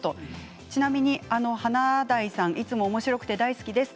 ちなみに華大さんいつもおもしろくて大好きです。